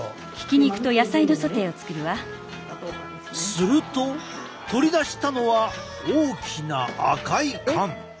すると取り出したのは大きな赤い缶。